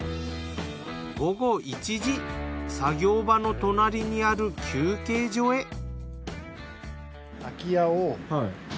午後１時作業場の隣にある休憩所へ。